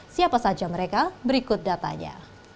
siapa saja mereka berikut datanya